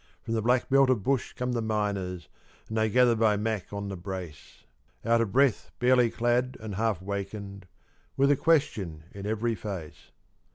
From the black belt of bush come the miners, and they gather by Mack on the brace, Out of breath, barely clad, and half wakened, with a question in every face.